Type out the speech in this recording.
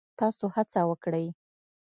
تاسو هڅه وکړئ